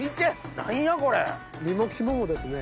何やこれ。